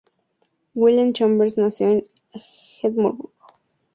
William Chambers nació en Gotemburgo, Suecia, donde su padre era un comerciante.